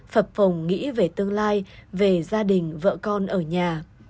phập phồng nghĩ về tương lai về gia đình vợ con ở nhà